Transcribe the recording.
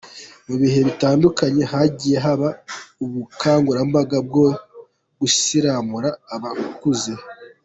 Mu bihe bitandukanye hagiye haba ubukangurambaga bwo gusiramura abakuze.